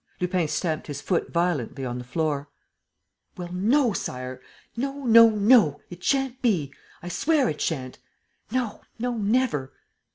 Lupin stamped his foot violently on the floor: "Well, no, Sire! No, no, no! It shan't be, I swear it shan't! No, no never!"